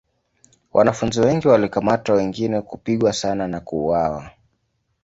Wanafunzi wengi walikamatwa wengine kupigwa sana na kuuawa.